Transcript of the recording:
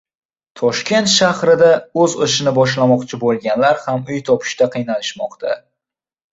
Toshkent sharida o'z ishini boshlamoqchi bo'lganlar ham uy topishda qiynalishmoqda.